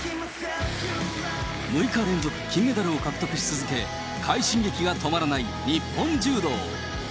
６日連続金メダルを獲得し続け、快進撃が止まらない日本柔道。